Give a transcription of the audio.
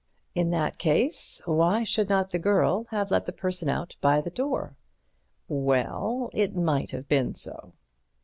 In that case, why should not the girl have let the person out by the door? Well, it might have been so.